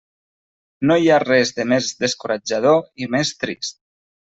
No hi ha res de més descoratjador i més trist!